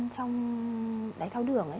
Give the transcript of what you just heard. trong đáy thao đường ấy